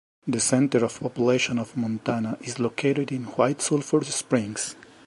The center of population of Montana is located in White Sulphur Springs.